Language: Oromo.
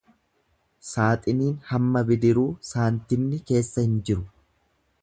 Saaxiniin hamma bidiruu Saantimni keessa hin jiru.